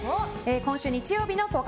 今週日曜日のぽか